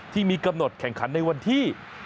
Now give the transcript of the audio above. ที่มีกำหนดแข่งขันในวันที่